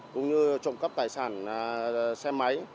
cũng như trộm cắp tài sản xe máy